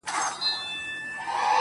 لکه شبنم چي د گلاب د دوبي لمر ووهي